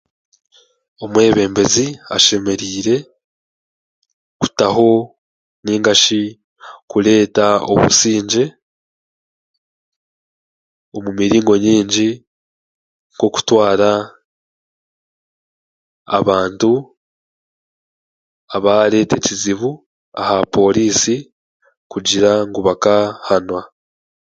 Omwebembezi ashemereire kutaho, naingashi kureeta obusingye omu miringo nyingi nk'okutwara abantu abaareeta ekizibu aha poriisi kugira ngu bakahanwa